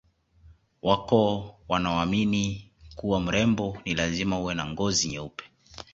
Wako wanaoamini kuwa mrembo ni lazima uwe na ngozi nyeupe